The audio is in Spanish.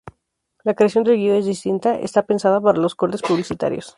La creación del guion es distinta: está pensada para los cortes publicitarios.